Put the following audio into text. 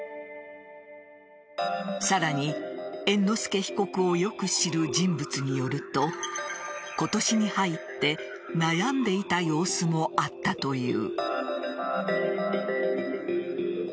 さらに、猿之助被告をよく知る人物によると今年に入って悩んでいた様子もあったという。